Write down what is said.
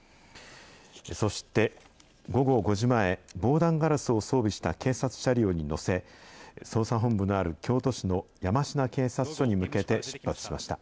そして、午後５時前、防弾ガラスを装備した警察車両に乗せ、捜査本部のある京都市の山科警察署に向けて出発しました。